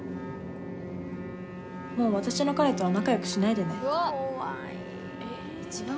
もう私の彼とは仲良くしないでね。